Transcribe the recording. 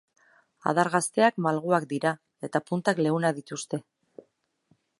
Adar gazteak malguak dira eta puntak leunak dituzte.